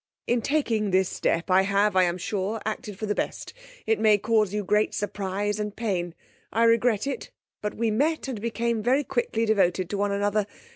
'In taking this step I have, I am sure, acted for the best. It may cause you great surprise and pain. I regret it, but we met and became very quickly devoted to one another.